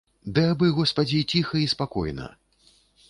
Ды абы, госпадзі, ціха і спакойна.